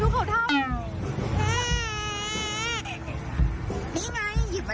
ลูกเขาทำ